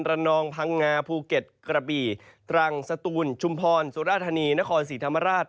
นองพังงาภูเก็ตกระบี่ตรังสตูนชุมพรสุราธานีนครศรีธรรมราช